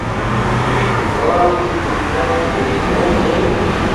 چیتر کەوا و بنکراسی مێژووت ڕەش بێ؟